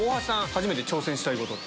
初めて挑戦したいこと。